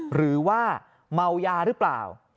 หรือว่าเมายาหรือเปล่า